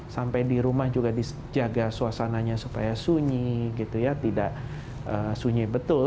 sampai di rumah juga dijaga suasananya supaya sunyi gitu ya tidak sunyi betul